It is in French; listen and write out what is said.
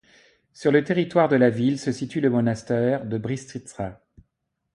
Sur le territoire de la ville se situe le monastère de Bistrița.